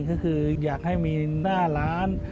ก็คืออยากให้มีหน้าร้าน